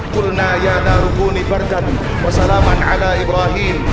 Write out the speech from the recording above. kulna ya narukuni bargan wassalamu ala ibrahim